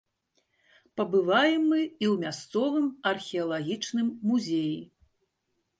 Пабываем мы і ў мясцовым археалагічным музеі.